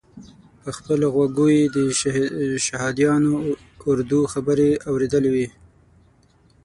په خپلو غوږو یې د شهادیانو اردو خبرې اورېدلې وې.